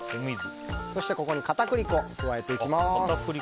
そしてここに片栗粉を加えていきます。